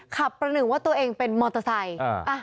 ประหนึ่งว่าตัวเองเป็นมอเตอร์ไซค์